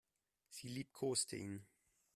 Sie liebkoste ihn.